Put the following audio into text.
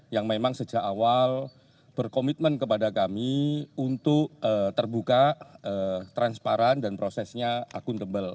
yang memang sejak awal berkomitmen kepada kami untuk terbuka transparan dan prosesnya akuntabel